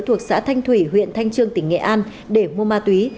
thuộc xã thanh thủy huyện thanh trương tỉnh nghệ an để mua ma túy